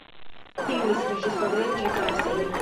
ფილმის რეჟისორია ჯეკ რასელი.